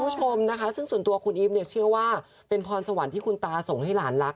ต้องเข้าใจก่อนนะว่าน้องสามขวบ